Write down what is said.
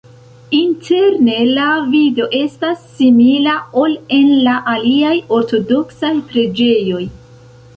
Interne la vido estas simila, ol en la aliaj ortodoksaj preĝejoj.